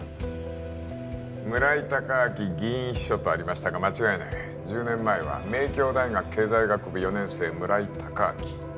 村井隆明議員秘書とありましたが間違いない１０年前は明教大学経済学部４年生村井隆明